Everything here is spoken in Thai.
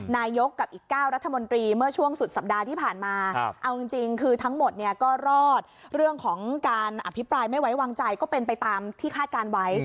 นายกกับอีก๙รัฐมนตรีเมื่อช่วงสุดสัปดาห์ที่ผ่านมาเอาจริงคือทั้งหมดเนี่ยก็รอดเรื่องของการอภิปรายไม่ไว้วางใจก็เป็นไปตามที่คาดการณ์ไว้